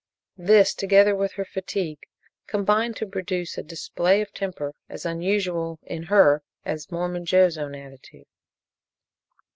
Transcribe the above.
This together with her fatigue combined to produce a display of temper as unusual in her as Mormon Joe's own attitude.